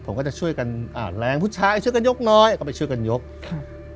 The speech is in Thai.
ผมก็จะช่วยกันอ่าแรงผู้ชายช่วยกันยกน้อยก็ไปช่วยกันยกครับ